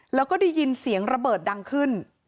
แล้วก็ได้ยินเสียงระเบิดดังขึ้น